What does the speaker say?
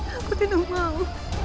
aku tidak mau